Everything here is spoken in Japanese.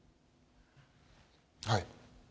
はい。